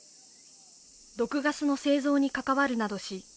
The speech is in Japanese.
毒ガスの製造に関わるなどし